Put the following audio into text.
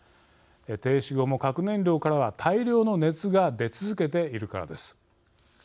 停止後も核燃料からは大量の熱が出続けているからです。